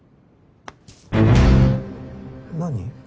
何？